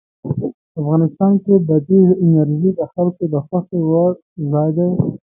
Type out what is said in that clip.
افغانستان کې بادي انرژي د خلکو د خوښې وړ ځای دی.